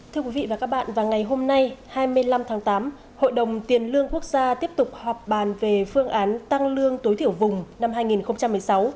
thưa quý vị và các bạn vào ngày hôm nay hai mươi năm tháng tám hội đồng tiền lương quốc gia tiếp tục họp bàn về phương án tăng lương tối thiểu vùng năm hai nghìn một mươi sáu